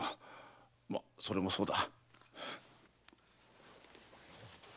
まそれもそうだ。